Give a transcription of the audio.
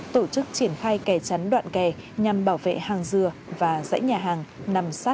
tổ chức triển khai kè chắn đoạn kè nhằm bảo vệ hàng dừa và dãy nhà hàng nằm sát mép biển cửa đại